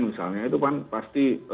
misalnya itu kan pasti